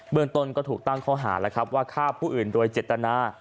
เมืองต้นก็ถูกตั้งข้อหาแล้วครับว่าฆ่าผู้อื่นโดยเจตนา